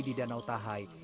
di danau tahai